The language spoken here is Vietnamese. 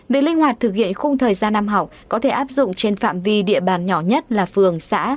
việc linh hoạt thực hiện khung thời gian năm học có thể áp dụng trên phạm vi địa bàn nhỏ nhất là phường xã